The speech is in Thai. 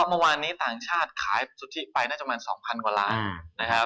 เมื่อวานนี้ต่างชาติขายสุทธิไปน่าจะประมาณ๒๐๐กว่าล้านนะครับ